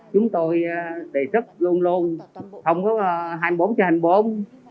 chúng tôi đề xuất luôn luôn không có hai mươi bốn trên hai mươi bốn